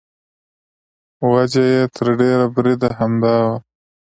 وجه یې تر ډېره بریده همدا وه.